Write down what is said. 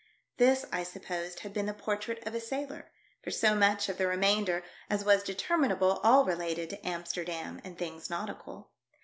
This, I supposed, had been the portrait of a sailor, for so much of the remainder as was determinable all related to Amsterdam and things nautical.